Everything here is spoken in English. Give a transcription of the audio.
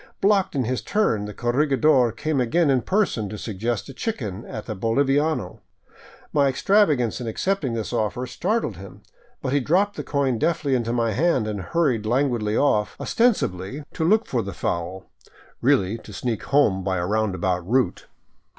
Blocked in his turn, the corregidor came again in person to suggest a chicken at a boliviano. My extrava gance in accepting this offer startled him, but he dropped the coin deftly into my hand and hurried languidly off, ostensibly to look for 533 VAGABONDING DOWN THE ANDES the fowl, really to sneak home by a roundabout route.